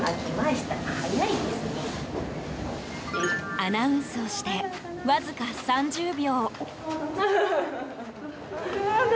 アナウンスをしてわずか３０秒。